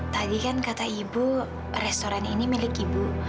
tadi kan kata ibu restoran ini milik ibu